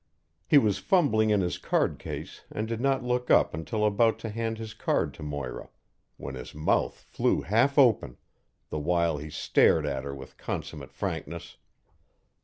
He was fumbling in his card case and did not look up until about to hand his card to Moira when his mouth flew half open, the while he stared at her with consummate frankness.